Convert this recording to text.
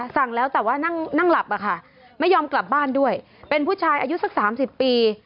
สั่งแล้วแต่ว่านั่งหลับอะค่ะไม่ยอมกลับบ้านด้วยเป็นผู้ชายอายุสัก๓๐ปี